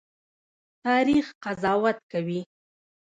تاریخ قضاوت کوي